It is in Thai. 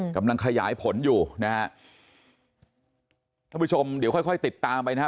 กำลังขยายผลอยู่นะ๒ท่านผู้ชมวิดีโจรสรรค์ดีละค่อยติดตามไปนะครับ